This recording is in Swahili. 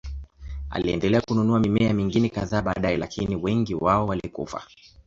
Aliendelea kununua mimea mingine kadhaa baadaye, lakini wengi wao walikufa.